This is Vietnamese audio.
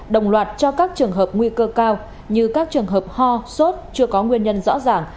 đồng loạt cho các trường hợp nguy cơ cao như các trường hợp ho sốt chưa có nguyên nhân rõ ràng